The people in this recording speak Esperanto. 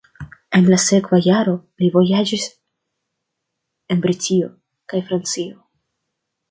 En la sekva jaro li vojaĝis en Britio kaj Francio.